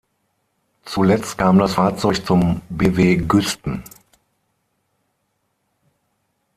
Zuletzt kam das Fahrzeug zum Bw Güsten.